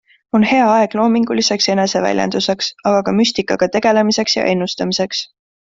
On hea aeg loominguliseks eneseväljenduseks, aga ka müstikaga tegelemiseks ja ennustamiseks.